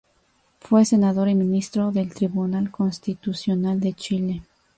Fue senador y ministro del Tribunal Constitucional de Chile.